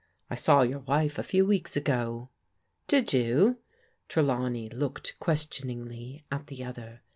" I saw your wife a few weeks ago." "Did you?" Trelawney looked questioningly at the other.